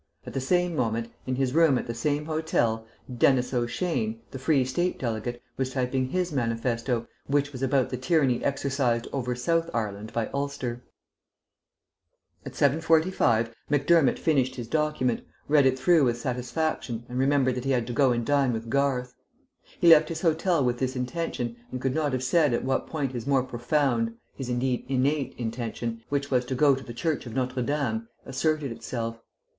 At the same moment, in his room at the same hotel, Denis O'Shane, the Free State delegate, was typing his manifesto, which was about the tyranny exercised over South Ireland by Ulster. At 7.45 Macdermott finished his document, read it through with satisfaction and remembered that he had to go and dine with Garth. He left his hotel with this intention, and could not have said at what point his more profound, his indeed innate intention, which was to go to the Church of Notre Dame, asserted itself.